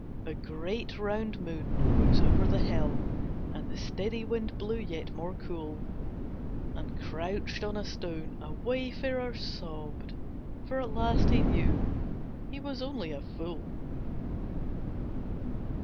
A great, round moon rose over a hill And the steady wind blew yet more cool; And crouched on a stone a wayfarer sobbed, For at last he knew he was only a fool.